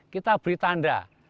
kita beri tanda